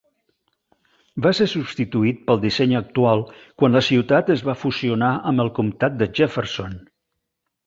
Va ser substituït pel disseny actual quan la ciutat es va fusionar amb el comtat de Jefferson.